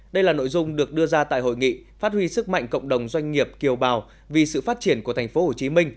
đây là nội dung được đưa ra tại hội nghị phát huy sức mạnh cộng đồng doanh nghiệp kiều bào vì sự phát triển của tp hcm